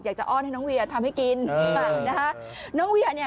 อยากจะอ้อนให้น้องเวียร์ทำให้กินเออนะคะน้องเวียร์เนี่ย